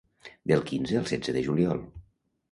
Del quinze al setze de juliol.